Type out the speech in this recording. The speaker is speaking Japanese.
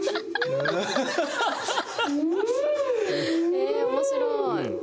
へえ面白い！